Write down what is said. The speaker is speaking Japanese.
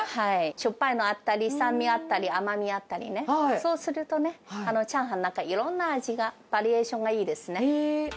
しょっぱいのあったり、酸味あったり、甘みあったりね、そうするとね、チャーハンの、いろんな味が、バリエーションがいいですね。